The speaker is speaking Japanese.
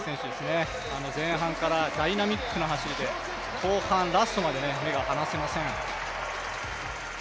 前半からダイナミックな走りで後半ラストまで目が離せません。